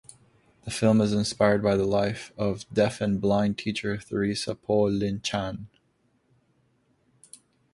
The film is inspired by the life of deaf-and-blind teacher Theresa Poh Lin Chan.